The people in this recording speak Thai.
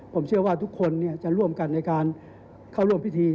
ผมเชื่อว่าทุกคนจะร่วมกันในการเข้าร่วมพิธี